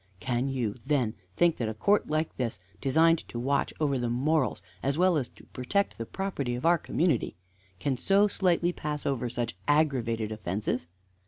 Can you, then, think that a court like this, designed to watch over the morals, as well as protect the property of our community, can so slightly pass over such aggravated offences?